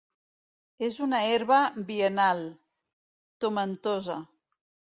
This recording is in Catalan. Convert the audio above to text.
És una herba biennal, tomentosa.